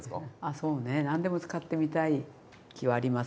そうね何でも使ってみたい気はあります